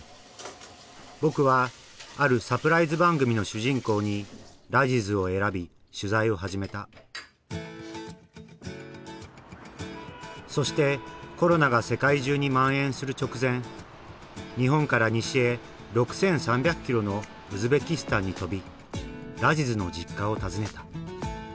僕はあるサプライズ番組の主人公にラジズを選び取材を始めたそしてコロナが世界中にまん延する直前日本から西へ６，３００キロのウズベキスタンに飛びラジズの実家を訪ねた。